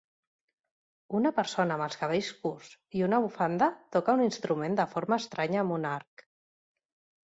Una persona amb els cabells curts i una bufanda toca un instrument de forma estranya amb un arc